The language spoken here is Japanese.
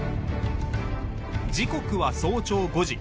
時刻は早朝５時。